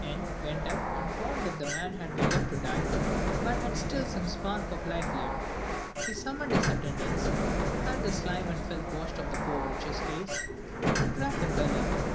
N went up and found that the man had been left to die, but had still some spark of life left. He summoned his attendants, had the slime and filth washed off the poor wretch's face, and wrapped him well up.